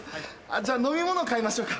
じゃあ飲み物買いましょうか。